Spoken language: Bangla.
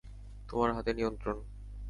তোমার হাতে নিয়ন্ত্রণ।